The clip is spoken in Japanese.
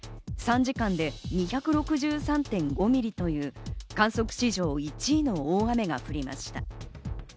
３時間で２６３．５ミリという観測史上１位の大雨が降りました。